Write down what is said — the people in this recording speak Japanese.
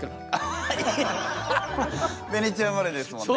ベネチア生まれですもんね。